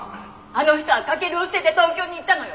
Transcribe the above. あの人は翔を捨てて東京に行ったのよ！